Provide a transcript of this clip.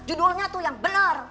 judulnya tuh yang benar